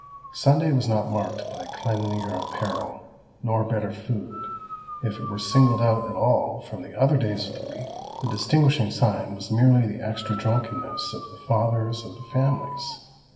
Sunday was not marked by cleanlier apparel, nor better food: if it were singled out at all from the other days of the week, the distinguishing sign was merely the extra drunkenness of the fathers of the families.